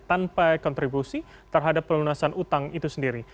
tanpa kontribusi terhadap pelunasan utang itu sendiri